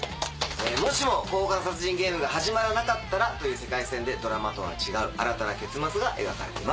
もしも交換殺人ゲームが始まらなかったらという世界線でドラマとは違う新たな結末が描かれています。